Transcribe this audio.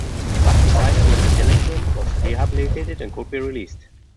Staff decided when the delinquent was rehabilitated and could be released.